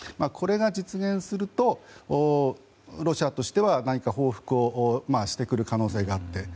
これが実現するとロシアとしては何か報復をしてくる可能性があって。